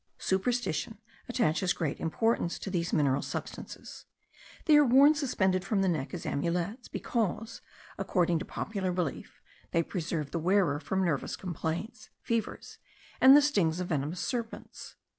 Superstition attaches great importance to these mineral substances: they are worn suspended from the neck as amulets, because, according to popular belief, they preserve the wearer from nervous complaints, fevers, and the stings of venomous serpents.